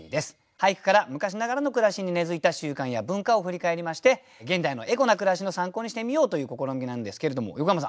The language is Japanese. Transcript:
俳句から昔ながらの暮らしに根づいた習慣や文化を振り返りまして現代のエコな暮らしの参考にしてみようという試みなんですけれども横山さん